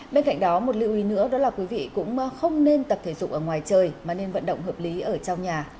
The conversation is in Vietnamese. bên cạnh đó một lưu ý nữa đó là quý vị cũng không nên tập thể dục ở ngoài trời mà nên vận động hợp lý ở trong nhà